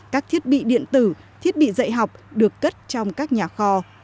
các thiết bị điện tử thiết bị dạy học được cất trong các nhà kho